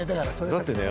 だってね